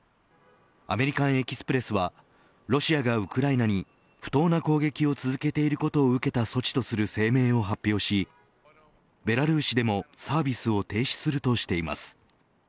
アメリカン・エキスプレスはロシアがウクライナに不当な攻撃を続けていることを受けた措置とする声明を発表しベラルーシでもサービスを停止するとしています。